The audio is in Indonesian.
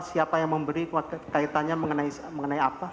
siapa yang memberi kaitannya mengenai apa